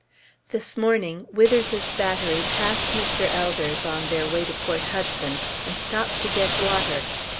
This morning Withers's battery passed Mr. Elder's on their way to Port Hudson, and stopped to get water.